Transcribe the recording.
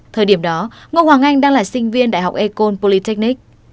thời điểm đó ngô hoàng anh đang là sinh viên đại học ecole polytechnic